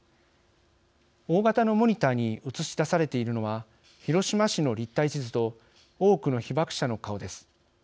大型のモニターに映し出されているのは広島市の立体地図と多くの被爆者の顔です。